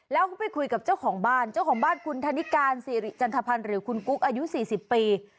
แล้วก็ไปคุยกับเจ้าของบ้านเจ้าของบ้านคุณธนิการสิริจันทพันธ์หรือคุณกุ๊กอายุ๔๐ปี